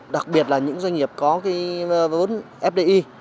đặc biệt là những doanh nghiệp có vốn fdi